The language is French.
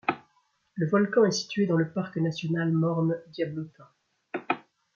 Le volcan est situé dans le parc national Morne Diablotins.